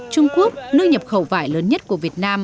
trung quốc nơi nhập khẩu vải lớn nhất của việt nam